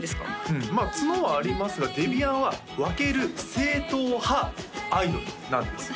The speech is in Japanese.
うんまあ角はありますがデビアンは沸ける正統派アイドルなんです